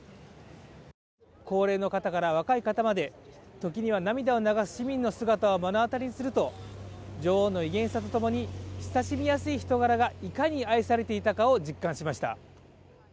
高齢の方から若い方まで、時には涙を流す市民の姿を目の当たりにすると女王の威厳さとともに親しみやすい人柄がいかに愛されていたかを実感しました。